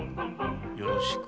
よろしく。